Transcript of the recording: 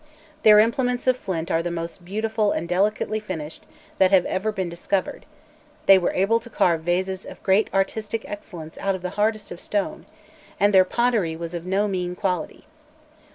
Their implements of flint are the most beautiful and delicately finished that have ever been discovered; they were able to carve vases of great artistic excellence out of the hardest of stone, and their pottery was of no mean quality.